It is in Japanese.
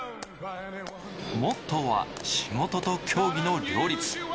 モットーは仕事と競技の両立。